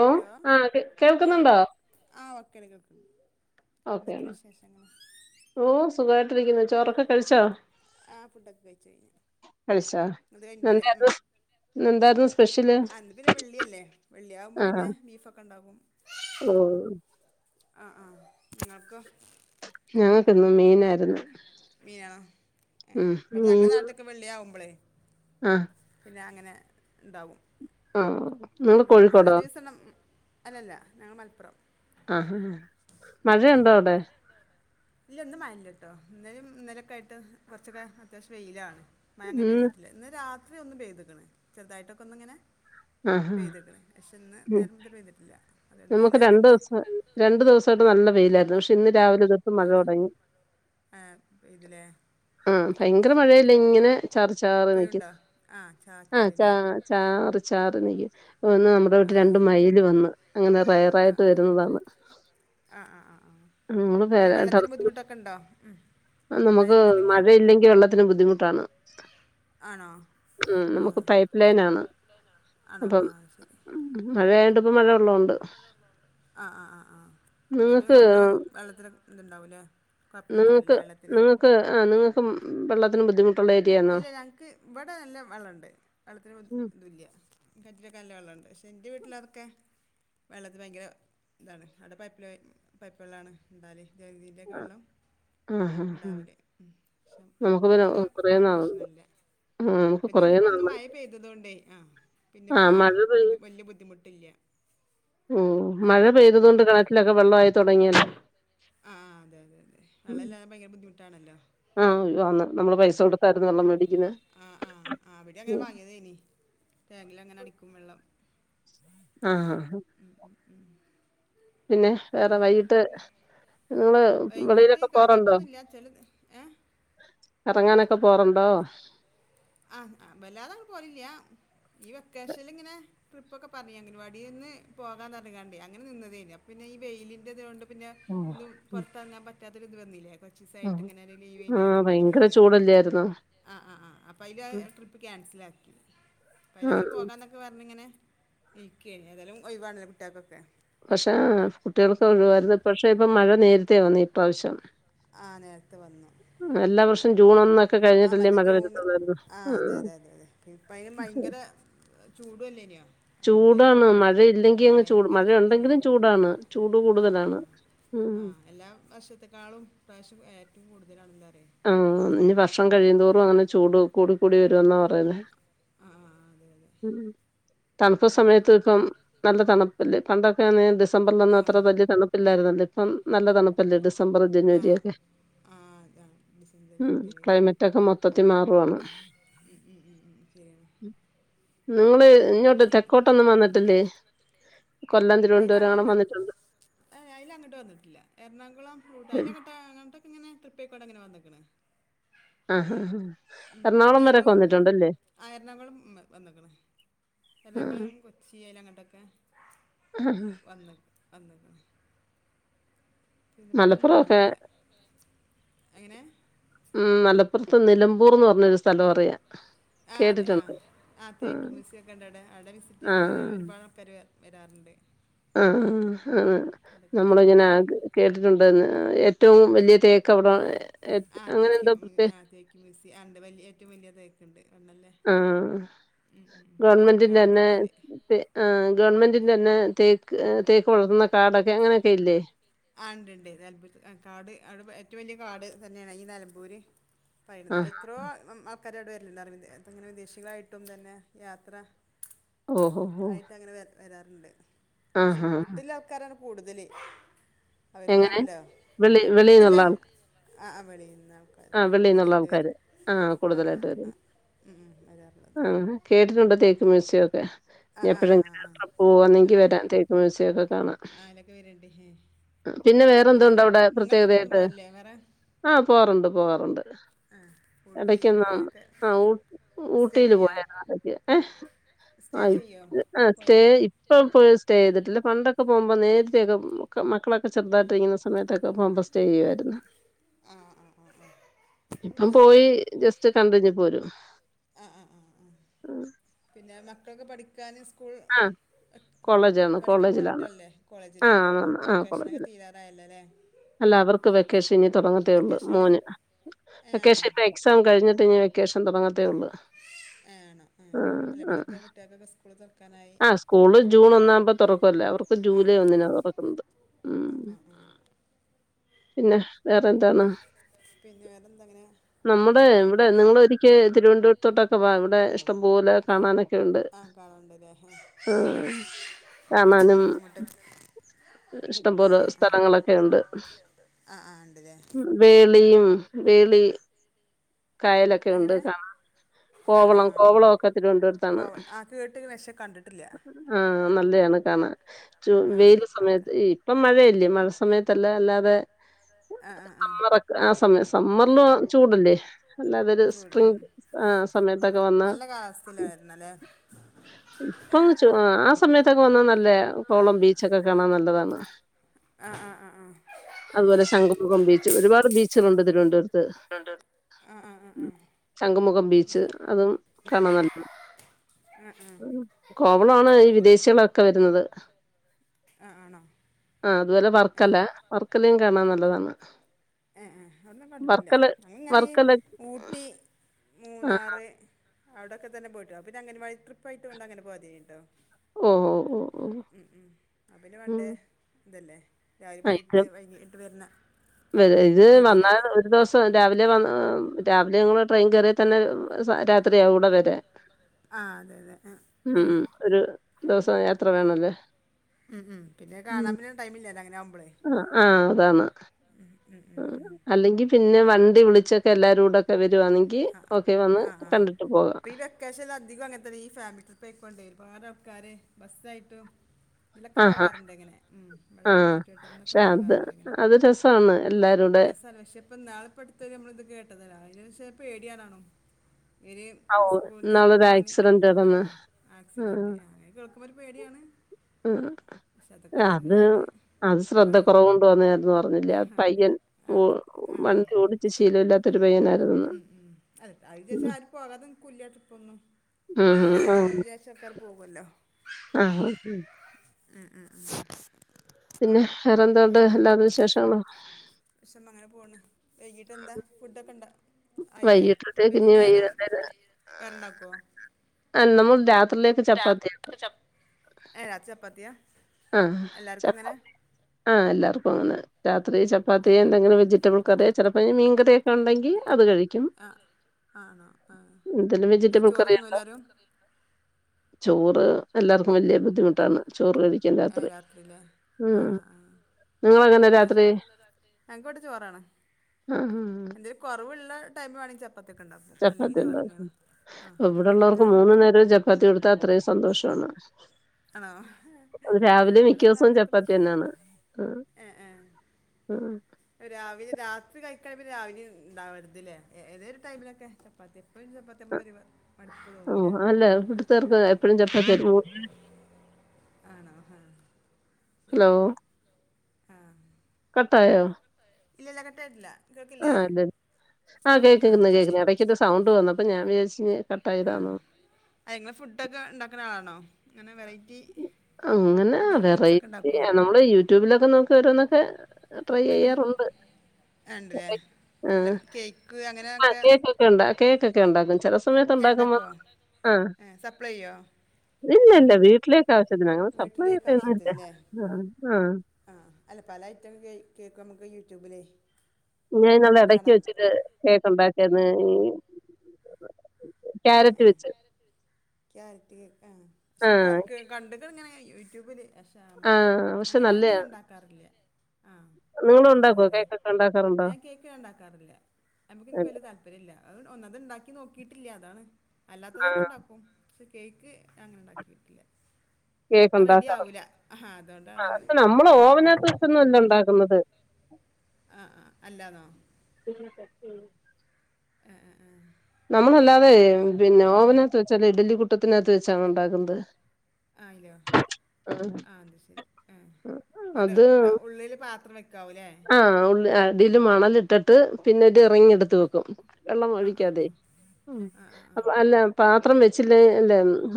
ഓ hello ആ ആ കേൾക്കുന്നുണ്ടോ ആ വക്കൽ കേൾക്കുന്നു ഓക്കെണ എന്തൊക്കെയാണ് വിശേഷങ്ങള് ഓ സുഖ ട്ടിരിക്കുന്നു ചോറൊക്കെ കഴിച്ചോ ആ ഫുഡൊക്കെ കഴച്ച് കഴിഞ്ഞു കഴിച്ചോ അത് കഴിഞ്ഞിട്ടില്ലേ ഉം എന്തായിരുന്നു എന്തായിരുന്നു സ്പെഷ്യല് അന്ന് പിന്നെ വെള്ളിയല്ലേ വെള്ളിയാകുമ്പോ ആ പിന്നെ ബീഫ് ഒക്കെ ഉണ്ടാവും ഓ ആഹ് ആഹ് ങ്ങൾക്ക് ഞങ്ങൾക്കന്നു മീനായിരുന്നു മീനാണോ ഏ ഉം ഇവിടെ ഞങ്ങള നാട്ടേക്ക് വെള്ളിയ ആവുമ്പോളേ ആഹ് പിന്നെ അങ്ങനെ ഉണ്ടാവും ആഹ് ഉം അല്ലാത്ത ദിവസം നാം അല്ലല്ല ഞങ്ങ മലപ്പുറം ആഹ് മഴ ണ്ടോ അവിടെ ഇല്ല ഇന്ന് മഴ ഇല്ല കേട്ടോ ഇന്നലും ഇന്നലൊക്കെ ആയിട്ട് കുറച്ചൊക്കെ അത്യാവശ്യം വെയിലാണ് മഴന്ന് പെയ്തിട്ടില്ല ഇന്ന് രാത് രാത്രി ഒന്ന് പെയ്തുക്കണേ ചെറുതായിട്ടൊക്കെ ഒന്ന് ഇങ്ങനെ ആ ആ പെയ്തക്കളെ പക്ഷെ ഇന്ന് ഉം നേർ തിന് പെയ്തിട്ടില്ല അതുകൊണ്ട് നമുക്ക് രണ്ടു വെയിലായതുകൊണ്ട് ദിവസം രണ്ടു ദിവസമായിട്ട് നല്ല വെയ്യിലായിരുന്നു പക്ഷെ ഇന്ന് രാവിലെ മഴ തുടങ്ങി ആ, പെയ്തില്ലേ ആഹ് ആ, ഭയങ്കര മഴയല്ല ഇങ്ങനെ ചാറി ചാറി നിൽക്കും പോയുണ്ടോ ആ ആഹ ചാ ചാറ്റലല്ലേ ചാറി ചാറി നിൽക്കും ഒന്ന് നമ്മുടെട്ട രണ്ടു മൈൽ വന്ന്ു അങ്ങനെ ആ റയർായിട്ട് വരുന്നതാണ് ആ ആ ആ ആ നിങ്ങ പിന്നെ ഡ വെള്ളത്തിന് ബുദ്ധിമുട്ടൊക്കെ ഉണ്ടോ ഉം. നമുക്ക് മഴൻ്റെ മുന്നേ മഴയില്ലെങ്കി വെള്ളത്തിന് ബുദ്ധിമുട്ട് താണ് ആണോ ഉ ആ നമുക്ക് പൈപ്പ് ലൈൻ ആണ്. ആണോ അപ്പം ആ ശരി മഴയണ്ട് ോണ്ട് [unintelligible] ആ ആ ആ അത പിന്നെറ നിങ്ങക്ക് വെള്ളത്തി ഇതുണ്ടാവൂലേ കുഴപ്പൊന്നണ്ടാവല നിങ്ങൾക്ക് ആ നിങ്ങൾക്കും വെള്ളത്തിന് ബുദ്ധിമു ഇല്ല ഞങ്ങക്ക് ഇവിടെ നല്ല വെള്ളണ്ട് വെള്ളത്തിന് ഉം ഇല്ല കല്ല വെള്ളമുണ്ട് പക്ഷേ എൻ്റെ വീട്ടില അതൊക്കെ വെള്ളത്തിൽ ഭയങ്കര ഇതാണ് അവിടെ പൈപ്പിൽ പൈപ്പ് വെള്ളമാണ് എന്താൽ ജതിീ്റെൊക്കെ [unintelligible] വെള്ളം ആഹ് ആഹ് ഉണ്ടാവില്ലേ പക്ഷം നമുക്ക് പിന്നെ ഇവിടെ കൊറേ ആ നാളുണ്ട്. പ്രശ്നമല്ല ഉം നമുക്ക് പിന്നെ കൊറേ ഒന്നിപ്പോം ഒന്ന് നാളായി മഴ പെയ്തത കൊണ്ടേ ആ ആഹ് പിന്നെപ്പോം മഴ ആ വലിയ ബുദ്ധിമുട്ടില്ല ആഹ മഴ പെയ്തതൊണ്ട് കണറ്റിലൊക്കെ വെള്ള ആയി തുടങ്ങിയല്ല. ആ അതെ അതെ അതെ വെള്ളം എല്ലരും ഭയങ്കര ബുദ്ധിമുട്ടാണല്ലോ ആഹ് ആന്ന്. നമ്മള് പൈസ കൊടുത്തായിരുന്നു വെള്ളം മേടിക്കുന്നെ. ആ ആ ആ അവിടെ അങ്ങനെ വാങ്ങിയതേനി ടാങ്കിൽ അങ്ങനെ അടിക്കും വെള്ളം ആഹ് ആഹ പിന്നെ വേറെ വൈകിട്ട് നിങ്ങ വൈകീട്ട് കാര്യമായിട്ടൊന്നുംല്ല ചെല ഏ ഒക്കെ പോറണ്ടോ ആഹ് ആ വല്ലാതെള് പോലില്ല ഈ വെക്കേഷനിൽ ഇങ്ങനെ ട്രിപ്പ ഒക്കെ പറഞ്ഞ അങ്ങവാടി നിന്ന് പോകാൻറിയാണ്ടേ അങ്ങനെ നിന്നതേ പിന്നെ ഈ വെയിലിറതൊണ്ട് പിന്നെ ഒന്ന് പുറത്തന്നാറ്റ അ ഇന്ത് വന്നില്ലേ കുറച്ച ദിവസയിട്ട് ആഹ് ഇങ്ങനെ ഒരു ലീവ് ചെയ്യുന്നില്ല ഭയങ്കര അംഗനവാടിക്കൊക്കെ ചൂടല്ലായിരുന്നോ? ആ ആ ആ അതിന്റെ ട്രിപ്പ്ക്കാണ് മനസ്സിലാക്കി പത അങ്ങനെ ആഹ് പോകാന്നൊക്കെ പറഞ്ഞ ഇങ്ങനെ ഇക്കേന അതായാലും ഒഴിവാണല്ലേ പിട്ടാക്കൊക്കെ പക്ഷെ കുട്ടികൾക്കെ ഒഴവായിരുന്നു പക്ഷെ ഇപ്പൊ മഴ നേരി തേവന്നു ഈപ്രാവശ്യം ആ നേരത്തെ വന്ന് വർഷം ജൂൺ ഒന്നൊക്കെ ആ കഴിഞ്ഞിട്ടല്ലേ മറ്റേ മഴ വരത്തുള്ളായിരുന്നു. ജൂൺആ അതെ ആഹ് അതെ അതെ ഇപ്പ യും ഭയങ്കര ചൂടുല്ലേന്യോ അതോണ്ടേക്കും ഭയങ്കര ചൂട് ഭയങ്കര ചൂടാണ് ചൂട് കൂടുതലാണ് ഉം ആ ആ കൂടുതലാ ള്എ ആ ഇഞ് വർഷം കഴിയുന്തോറും അങ്ങനെ ചൂടു കൂടിക്കൂടി വരു ന്നാ പറയുന്നെ ആ ആ ആ, അതെ അതെ തണുപ്പ് സമയത്ത് പ്പം നല്ല തണുപ്പല്ലേ പണ്ടൊക്കെ ഡി ഡിസംമ്പറിലൊന്നു ആ അത്ര വല്യ തണുപ്പില്ലായിരുന്നു ല്ലോ അം നല്ല തണുപ്പല്ലേ ഡിസംബർ ജനുവരി യൊക്കെ ഡിസംബറില് ജനുവരില് മൊത്തത്തിൽ മാറുവാണ് ഉ ഉ ഉ ഉ ശരിയാണ് നിങ്ങള് ഇങ്ങോട്ട് പിന്നെ തെക്കോട്ടൊന്നും വന്നിട്ടില്ലേ കൊല്ലം തിരുവനന്തപുരം അണ് അതിലങ്ങ വന്നിട്ടുണ്ട് അതിലങ്ങോട്ട് വന്നിട്ടില്ല ശരി. [unintelligible] ഇങ്ങനെ ട്രിപ്പയ്ക്കൂടങ്ങന വന്നക്ക്ണ് ആഹ ഹാ എറണാകുളം ഞങ്ങൾ വരെക്കെ വന്നിട്ടുണ്ടല്ലേ? എറണാകുളം വന്നേക്കണ് ആ എറണാകുളം, കൊച്ചി ലങ്ങട്ടൊക്കെ ആ വന്ന് വന്ന്ക്ക് മലപ്പുറൊക്കെ എത്തിയിട്ടില്ല അങ്ങനെ ഉം മല പ്പുറത്ത് നിലമ്പൂർന്ന് പറഞ്ഞൊരു സ്ഥലം അറിയാം ആതേ ആ കേട്ടിട്ടുണ്ട് ആ തേക്ക് മ്യൂസിയൊക്കെണ്ടവിടെ വിസിറ്റി ആ ങ്ങനെ ആ ഒരുപാട് ആൾക്കാര് വര് വരാറ്ണ്ട് ആഹ് ആഹ് ആന്ന് നമ്മള്ങ്ങനെ കാണുന്നുണ്ട് ആ കേട്ടിട്ടുണ്ടെന്ന് എ റ്റവും വല്യ തേ ആഹ് തേക്യം ഉം ആ തേക്ക് മ്യൂസിയം ആഹ് ണ്ട് വെല്യ ഏറ്റവും വല്യ ലൈക്ക് ണ്ട്. ആഹ് ആഹ് ആഹ് അതൊക്കെ കാണാൻ അവിടെ ഗവൺമെന്റിന്റെന്നെ വന്നാല് ആ ഗവൺമെന്റിന്റെന്നെ തേക്ക് തേക്ക് പൊളർന്ന കാടൊക്കെ അങ്ങനൊക്കെയില്ലേ? ആഹ് ണ്ട് ണ്ട് നെൽമ്പൂര് കാട് ആടെ ഏറ്റവും വെല്യ കാട് ഇതന്നെണ് ഈ നെൽമ്പൂര് [unintelligible] ആഹ് എത്രയോ ഉം അപ്പ് ക്കാര് അവ്ടെവര്‌ ല്ണ്ട് അറിവി [unintelligible] ഇങ്ങനെ വിദേശികളായിട്ടും തന്നെ യാത്ര ഓ ഓ ഓ ആയിട്ട് അങ്ങനെ വര- വരാറുണ്ട്. വിട്ടില ആൾക്കാരാണ്. കൂടുതല് ആ എങ്ങനെ അവർക്കാണല്ലോ വെളി വെളിന്നുള്ള വിട്ടില്ലേ ആൾ ആ വെളിയുന്ന ആൾക്കർ ആഹ് വെളിന്നുള്ള കൂടുതലായിട്ട് വ ആൾക്കാര് ആഹ് കൂടുതലായിട്ട് ആഹ് വരും ആഹ് ഉം വരാറുള്ളത് ആഹ് കേട്ടിട്ടുണ്ട് ഉം തേക്ക് മ്യൂസിയം ഒക്കെ എപ്പോഴെങ്കിലും അത്ര പോവാന്നെങ്കി വരാൻ തേക്ക് മ്യൂസിയൊക്കെ കാണാം ആ, അതിലൊക്കെ വരുന്നുണ്ട് ഹേ. പിന്നെ വേറെ എന്തുണ്ട് അവിടെ നിങ്ങൾ ട്രിപ്പൊന്നും പ്രത്യേകതയായിട്ട് പോകല്ലേ വേറെ ആ പോവാറുണ്ട് പോവാറുണ്ട് ആ ഊട്ടി ഇടക്കൊന്ന് അങ്ങനെയൊക്കെ ആ ഉ സ്റ്റേ ഊട്ടിയില് ചെയ്യോ പോയരുന്നു ഏഹ് സ്റ്റേ ചെയ്യോ ആ സ്റ്റേ പോയാല് ഇപ്പ പോയി സ്റ്റേ ചെയ്തിട്ടില്ല പണ്ടൊക്കെ പോകുമ്പോ നേരി പ്രത്യേകം മക്കളെ ചെറുതായിട്ട് ഇങ്ങുന്ന സമയത്തൊക്കെ പോകുമ്പോ സ്റ്റേ ചെയുവായിരുന്നു ആ ആ ആ ആ ഇപ്പം അത് ശരി പോയി ജസ്റ്റ് കണ്ടഞ്ഞ് പോരും ആ ആ കുട്ടക്കെ പഠിക്കാൻ സ്കൂൾ ആ കോളേജാണ് പഠിക്കാൻ പോകണ കോളേജിലാണ്. കുട്ടികളല്ലേ കോളേജിൽ ആ ആന്ന് ആ വൊക്കേഷനൊക്കെ കോളേജില്. തീരാറായല്ലോ അല്ലേ അല്ല അവർക്ക് വെ വെക്കേഷൻ ഇനി തുടങ്ങത്തേ ഉള്ളൂ വെക്കേഷനില് മൂന്ന് ഏ ആണോ വെക്കേഷൻ ഇപ്പോം എക്സാം കഴിഞ്ഞിട്ട് ഇനി വെക്കേഷൻ തുടങ്ങത്തേ ഉള്ളൂ ഏ ആണോ ആ ആഹ് അല്ല ആഹ് ഇവിടെയൊക്കെ കുട്ടികൾക്കൊക്കെ സ്കൂൾ തുറക്കാനായി ആഹ് സ്കൂള് ജൂൺ ഒന്നാുമ്പോ തുറക്കല്ലേ അവർക്ക് ആ ജൂലൈ ഒന്നിന തുറക്കും തുറക്കുന്നത് ഉം ആ ആ ആ പിന്നെ വേറെ എന്താണ്? പിന്നെ വേറെന്താ അങ്ങനെ നമ്മുടെ പോണു ഇവിടെ പിന്നെ നിങ്ങൾ ഒരിക്ക ഉം തിരുവനന്തപുരത്തോട്ടൊക്കെ വാ ഇവിടെ ഇഷ്ടംപോലെ കാണാനൊക്കെുണ്ട് ആ കാണുന്നുണ്ടല്ലേ ആ ആഹ് ഉം കാണാനും ഉം അങ്ങോട്ട് ആ ഇഷ്ടംപോലെ ആ ആ സ്ഥലങ്ങളൊക്കെ ഉണ്ട് ആ ആ ഉണ്ടല്ലേ വേളിയും വെളി കായലൊക്കെ ഉണ്ട് എങ്ങനെ കാണാം ആ ആ കോവളം ആ ആ കോവളമൊക്കെത്തിരി കൊണ്ടുവടുത്താണ് കോവ ആ കേട്ട്ക്ക്ണ് പക്ഷെ കണ്ടിട്ടില്ല ആഹ് നല്ലയാണ് ക ജൂ ആ വേ അക്ക ഇപ്പം മഴ ഴല്ലേ മഴ സമയത്തല്ല അല്ലാതെ ആ ആ ആ സമ്മർൊക്കെ ആ സമയം സമ്മറിലും ചൂടല്ലേ അല്ലാതൊരു ചൂട് സ്പ്രിംഗ ഉം ഉം ആ സമയത്തൊക്കെ വന്ന് നല്ല കാലാവസ്ഥയിലായിരുന്നല്ലേ ഇപ്പൊ ആ സമയത്തൊക്കെ വന്ന നല്ല കോവളം ബീച്ചൊക്കെ എന്തതാണ് ആ ആ ആ ആ അതുപോലെ ശങ്കുമുഖം ബീച്ച് ഒരുപാട് ബീച്ചുകളുണ്ട് തിരുവനന്തപുരത്ത് ആ ആ ആ ത് ആ ശംഖുമുഖം അത് ബീച്ച് ശരി അതും കാണാൻ നല്ല ആ ആ കോവളമാണ് ഈ വിദേശികളൊക്കെ വരുന്നത് ആ ആണോ ആഹ് അതുപോലെ വർക്കല വർക്കലയും കാണാൻ നല്ലതാണ് ആഹ് അതോന്നും കണ്ടിട്ടില്ല വർക്കല അ ഇങ്ങനെ വർക്കല ഊട്ടി, ആ. മൂന്നാറ്, അവിടെക്കെതന്നെ പോയിട്ടു പിന്നെ അംഗനവാടി ട്രിപ്പയിട്ട് ങ്ങനെ പോയി കേട്ടോ ഓഹ്! ഓഹ്! ഓഹ്! ഓഹ്! ഉം ഉം അ പിന്നെ ഉം. വേണ്ടേ തല്ലേ [unintelligible] പൊയിട്ട് വൈകിട്ട് വര്ന്ന എ ഇത് വന്നാൽ ഒരു ദിവസം രാവിലെ വന്ന് രാവിലെ [unintelligible] ട്രെയിൻ കേറിയാ തന്നെ [unintelligible] രാത്രിയാഇവ്ടെ വരാ ആ അതെ അതെ ആ ഉം ഉം ഒരു ദിവസം യാത്ര വേണല്ലേ ഉം ഉം പിന്നെ കാണാൻ പിന്നെ ടൈംമില്ലാലൊ അ ആഹ് താണ് ഉം ഉം ഉം ദി വിളിച്ചൊക്കെ എല്ലാരോടൊക്കെ വെ അ ആ ആ പോകാം. പ്പീ വെക്കേഷൻല് അധികു അങ്ങൻത്തെന്നെ ഈ ഫാമിലി ട്രിപ്പ് ആയിക്കോണ്ടെ ഒരു പാടാൾ ആക്കാരെ ബസ്സായിട്ട് ഇതിലൊക്കെ ആഹാ! പോകാറുണ്ട് ഇങ്ങനെ ഉ ഇവിടെ ആഹ്. ചുറ്റുവട്ടന്നൊക്കെ പക്ഷെ അത് പോകാറുണ്ട് ഇങ്ങനെ അത് രസാണ് എല്ലാരൂടെ രസ പക്ഷെ ഇപ്പ നാളെപ്പടുത്ത നമ്മള ഇത് കേട്ടതല്ലതി പേടിയാനാണോ ഇര് ആവൂ സ്കൂളന്ന് ഇന്നാളൊരു വാങ്ങി നി ആക്സിഡന്റ് ആ നടന്ന്. ആക്സിഡന്റ് ആ ഒരു പേടിയാണ്. ഉ പക്ഷെ അതൊക്കെ അത് വരാന് അത് ആ ശ്രദ്ധ ആകുറവുണ്ടോന്നന്ന് പറഞ്ഞില്ലേ ആ പയ്യൻ ആ ആ വണ്ടി ഓടിച്ച് ശീലമില്ലാത്തൊരു പയ്യ [unintelligible] ഉം ഉം അ അതിന്ശേഷം ആര് പോകാതെ നിൽക്കില്ലട്രിപ്പൊന്നും ഉം ഉ ഉ പോകുമല്ലോ ആ [unintelligible] പിന്നെ വേറെ എന്താ എന്താട് വിശേഷങ്ങൾ വൈകീട്ട് എന്താ ഫുഡ് ഒക്കെ ഇണ്ടാ അയില്ലേ വൈകിട്ടത്തേക്ക് ഇനി വൈകുന്നേരം വേറെണ്ടാക്കുവ ആ നമ്മൾ രാത്രിയിലേക്ക് ചപ്പാത്തിയാ ഏ രാത്രി ചപ്പാത്തിയാ എല്ലാവർക്കും അങ്ങനെ ആചപ്പാത്തിആഎല്ലർക്കും പോന്ന് രാ രാത്രി ത്രി ചപ്പാത്തി എന്തെങ്കിലും വൈജിറ്റബി അതെ ചിലപ്പ മീൻ കറി ഉണ്ടെങ്കി അത് കഴിക്കും ആ ആണോ ആ എന്തേലും ഏ, വെജിറ്റബിൾ ചോറ് തിന്നോ കറിയിണ്ട എല്ലാരും ചോറ് എല്ലാർക്കു വലിയ ബുദ്ധിമുട്ടാണ് ചോറ് കഴിക്കാൻ ആ രാത്രി രാത്രിക് ആ ഉം ആ നിങ്ങളങ്ങനെ രാത്രി ഞങ്ങൾക്ക് ഇവിടെ ചോറ് അണ് ആഹ് ആഹ് ഉള്ള ടെപ്പ് കാണിച്ചാൽ ചപ്പാത്തി ഉണ്ടാക്കും ആ അങ്ങനത്തെ ഇവിടെഉള്ളവർക്ക് പിന്നെ മുന്ന് നേരംചപ്പാത്തി കൊടുത്താ അത്രയും സന്തോഷമാണ്അത്രയും സന്തോഷമാണ് ആണോ അത് രാവിലെ മിക്ക ദിവസവും എവിടെന്നുംഅങ്ങനത്തെ ചപ്പാത്തി പ്രശ്ം തന്നെയാണ് ആഹ് ആഏ ആഹ് രാവിലെ രാത്രി ചപ്പാത്തി കയികാതരാവിലെ ഉണ്ടാവരുതില്ലേ ഏതൊരു ടൈമിലൊക്കെ ചപ്പാത്തി എപ്പഴും ചപ്പാത്തി ആവുമ്പോ ഒരു മടുപ്പ് ആ തോന്നൂലേ അല്ല വിട്ട് തോറ്ക്ക്എപ്പഴും ചപ്പാത്തി ആണോ ശരി ഹലോ കട്ടയോ ഇല്ല ഇല്ല കട്ടായിട്ടില്ല കേൾക്കില്ലേ ആഹ അല്ല ആ കേക്കന്ന് കേക്കുന്നു ഇടക്കട്ട സൗണ്ട് വന്ന അപ്പൊ ഞാൻ വിചാരിച്ച കട്ട ആ ആയതാണോ ആ നിങ്ങൾ ഫുഡൊക്കെ ഉണ്ടാക്കുന്ന ആളാണോ അങ്ങനെ വെറൈറ്റി അങ്ങനെ ഫുഡ് ഐറ്റംസ് ഒക്കെ വെറൈറ്റി ഉണ്ടാക്കുമോ നമ്മള് യൂട്യൂബിലൊക്കെ നോക്കി ഒരോന്ന് ഓകെ ആണ്ട് ലെഅല്ല ആഹ്. കേക്ക് ആ അങ്ങനെയൊക്കെ കേക്കൊക്കെ ഉണ്ടാഉണ്ടാക്കും ചില സമയത്ത് ഏ, ഉണ്ടാക്കുമ്പോൾ ഉണ്ടാക്കുമോ ആഹ ഏ സപ്ലൈ ചെയ്യോ ഇല്ല ഇല്ല വീട്ടിലേ വീട്ടിലേക്ക് ആശ്യത്തിന്ല്ലേ ആഹ് ആഹ്. ആഹ അല്ല പല ഐറ്റം കേക്ക് നമുക്ക് യൂട്യൂബിൽ യൂട്യൂബിലെ ഞാൻ ഇടക്ക് വെച്ചിട്ട് കേക്ക ഉണ്ടാക്കിയത് മ [unintelligible] ആ ആ ക്യാരറ്റ് കേക്ക്ആ പക്ഷെ ആഹ് ഇങ്ങനെ കണ്ട്ക്ക്ണു യൂട്യൂബില് എ ആഹ്. പക്ഷെ അങ്ങനെ ഞാൻ നല്ലയാ. ഉണ്ടാക്കാറില്ല ആ നിങ്ങളും നല്ലത ഉണ്ടാക്കോ അല്ലേ കേക്കൊക്കെ ഉണ്ടാക്കാറുണ്ടോ? ഞാൻ കേക്ക്ഉണ്ടാക്കാറില്ല നമുക്ക് എനിക്ക് വലിയ താല്പര്യം ഇില്ല അ ഒന്നത് ഉണ്ടാക്കി നോക്കിയിട്ടില്ല അതാണ് അല്ലാത്തതൊക്കെ ആഹ്. ഉണ്ടാക്കും പക്ഷേകേക്ക് അങ്ങനെ ഉണ്ടാക്കി നോക്കില്ല കേക്ക് അത് റെഡി ഉണ്ടാക്കാറുണ്ട്. ആവൂല ആ അതുകൊണ്ടാണ് പക്ഷെ നമ്മള് അതിമക്ക്നോക്കാത് ഓവനകത്ത് വെച്ചൊന്നും അല്ല ഉണ്ടാക്കുന്നത്. ആഹ ആ അല്ലാന്നോ ഏ നമ്മളല്ലാതെ പിന്നെ ഓവന് ആത്ത് വെച്ചല്ലേ ഇഡലി കുട്ട് ത്തിനാത്ത് വെച്ചാണോ ഉണ്ടാക്കുന്നത് ആ അല്ലോ ആ അത് ശരി ആഹ് ഇട ഉള്ളില് പാത്രം വെക്ക ആഹ് ഉള്ള് അടീല് മണലിട്ടട്ട് ട്ട് പിന്നൊരു റിങ് എടുത്ത് വെക്കും വെള്ളം ആ ആ ആ ഒഴിക്കാതെ ആ ആ ആ അപ്പ അല്ല പാ ത്രം വെച്ചില്ലേ അല്ല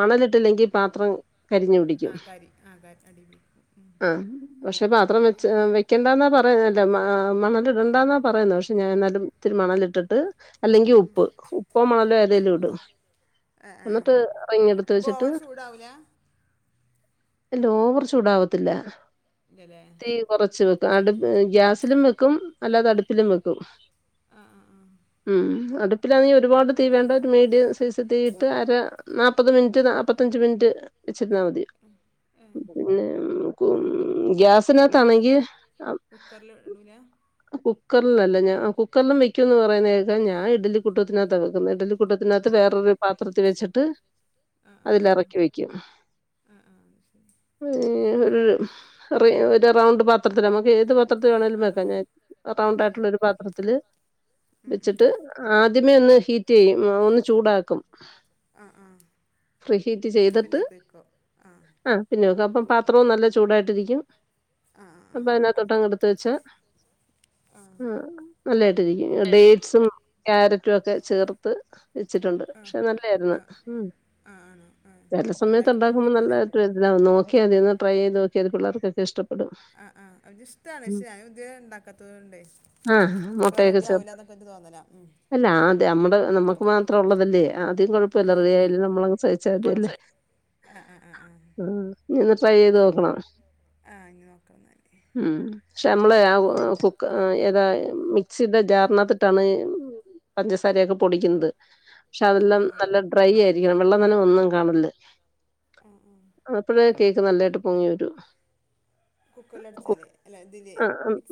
മണലിട്ടില്ലെങ്കി പാത്രം കരിഞ്ഞു ആ പിടിക്കും കരി ആ കരി അടി പിടിക്കും ഉം. ആ പക്ഷെ പാത്രം വെച്ച വെക്കണ്ടാന്നാ പറഞ്ഞ [unintelligible] ല്ല മാ മണലിടണ്ടന്നാ പറയുന്ന ക്ഷെ ഞാൻ എന്നാലു ത്തിരി മണലിട്ടിട്ട് അല്ലെങ്കി ഉപ്പ് ഉപ്പോ മണലോ ഏതേലും ഇടും ആ ആ എന്നിട്ട് റിങ്ങെടുത്ത് അപ്പോൾ വെച്ചിട്ട് ഓവർ ചൂടാവൂല അല്ല ഓവർ ചൂടാവത്തില്ല ഇല്ലല്ലേ തീ കുറച്ച് വെക്ക അടു ഗ്യാസിലും വെക്കും അല്ലാതെ അടുപ്പിലും വെക്കും ആ ആ ആ ഉം അട്‌ പ്പിലാണെ ഒരുപാട് തീ വേണ്ട ഒരു മീഡിയം സൈസ് തീയിട്ട് അര നാപ്പത് മിൻറ്റ് നാപ്പത്തഞ്ച് മിൻറ്റ് ച്ചിര്നാ മതി ഏ പിന്നെ മ് കും ഗ്യാസ് ത് നാതാണെങ്കി കുക്കറിൽ ടൂല കുക്കർലല്ല ഞാ കുക്കറിലും വെക്കുംന്ന് പറയുന്നത് കേ ഞൻ ഇഡ്ലിക്കൂട്ടത്തിനാത്ത വെക്ക്ന്നെ ഇഡലിക്കൂട്ടത്തിനാത്ത് ആ വേറൊര് പാത്രത്തി വെച്ചിട്ട് ആ ആ അതില് എറക്കി വെക്കും. ആ ആ ആ അത് ശരി [unintelligible] ഒര് റൗണ്ട് പാത്ത് ത്രത്തില് നമക്ക് ഏത് പാത്രത്തി വേണേലും ആ ആ വെക്കാം ഞാൻ ആ റൗണ്ട് ആയിട്ടുള്ളൊ ശരി ഒരു പാത്രത്തില് ഉം, ഉം. വെച്ചിട്ട് ആദ്യമേ ഒന്ന് ഹീറ്റ് ചെയ്യും ഒന്ന് ചൂടാക്കും ആ ആ ഫ്രീ ഹീറ്റ് എന്നിട്ട് ചെയ്തിട്ട് പിന്നെ കുയിക്കോ ആ പിന്നെ അപ്പം പാ ത്രോം നല്ല ചൂടായിട്ടിരിക്കും ആ ആ അപ്പൊ അതിനാത്തൊട്ട് അങ്ങ് എടുത്ത് വെച്ചാ മ് ആ നല്ലായ്ട്ടിരിക്കും ഡേറ്റ്സും ക്യാരറ്റും ഒക്കെ ചേർത്ത് വെച്ചിട്ടുണ്ട് ആ പക്ഷെ നല്ലായിരുന്നു ആ മ് ആണോ ആ ചെല ഞാൻ സമയത്ത് ഉണ്ടാക്കി ഉണ്ടാക്കുമ്പോ നോക്കിയിട്ടില്ല നല്ലൊര് ആ താവും നോക്കിയാല് ഒന്ന് ട്രൈ എയ്ത് നോക്കിയ പിള്ളാർക്ക് ഒക്കെ ഇഷ്ടപ്പ് അ ആഹ് അവക്ക് ഇഷ്ടാണ് ഷേ ങ്ങ [unintelligible] ണ്ട ആഹ് മുട്ടയൊക്കെ ആവില്ല ചേർത്ത് എന്നൊക്കെ എനിക്ക് തോന്നലാ ഉം. അല്ല ആദ്യ നമ്മടെ നമ്മക്ക് മാത്ര ഉള്ള അവതെ ആഹാ കുഴപ്പില്ലറിയാലും നമ്മളങ് സഹിച്ചാ മതില്ലേ ആ ആ ആ ആ നീഇന്ന് ട്രൈ ചെയ്ത് ആ ഇനി നോക്കണം എന്നാല് നോക്കണംക്ഷെ നമ്മളആ ഓ ആ ആ എതാ മിക്സിയുടെ ജാറിനകത്തിട്ടാണ് പഞ്ചസാരയൊക്കെ പൊടിക്കുന്നത് ക്ഷ ആ അതെല്ലാം ആ നല്ല ഡ്രൈ ആയിരിക്കണം വെള്ളനനവ് ഒന്നും കണല്ലേ മം മം കേക്ക് നല്ലായിട്ട് പൊങ്ങി വരും കു കുക്കറിലടിച്ചാലേ അല്ലേ ആ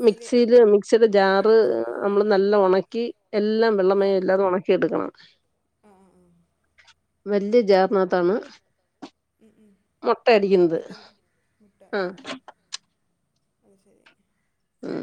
മിക്സിയില് മിക്സിയുടെ ജാറ് അടിച്ച് നമ്മള് നല്ല ഉണക്ക കീ എല്ലാം വെള്ളമയം ഇല്ലാതെ ഉണക്കി എടുക്കണം ആ ആ ആ വല്ല്യ ജാർനാത്താണ് ഉം ഉം [unintelligible] മുട്ട ആ ആ അത് ശരി ആ